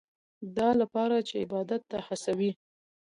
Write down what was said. دا لپاره چې عبادت ته هڅوي.